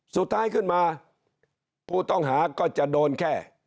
สุดท้ายขึ้นมาผู้ต้องหาก็จะโดนแค่